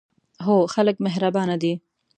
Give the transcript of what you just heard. هو، خلک مهربانه دي